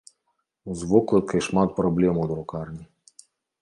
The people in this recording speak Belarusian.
З вокладкай шмат праблем у друкарні.